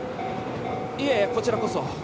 いえこちらこそ。